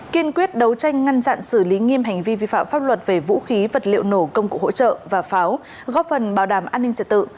kiên quyết đấu tranh ngăn chặn xử lý nghiêm hành vi vi phạm pháp luật về vũ khí vật liệu nổ công cụ hỗ trợ và pháo góp phần bảo đảm an ninh trật tự